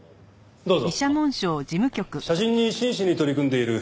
どうぞ。